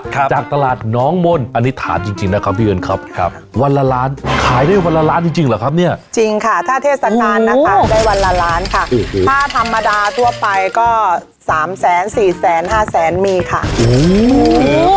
จากตลาดน้องม่นอันนี้ถามจริงจริงนะครับพี่เอิญครับครับวันละล้านขายได้วันละล้านจริงจริงเหรอครับเนี่ยจริงค่ะถ้าเทศกาลนะคะได้วันละล้านค่ะถ้าธรรมดาทั่วไปก็สามแสนสี่แสนห้าแสนมีค่ะอืม